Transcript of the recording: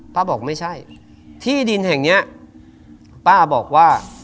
บอกไม่ใช่ที่ดินแห่งเนี้ยป้าบอกว่า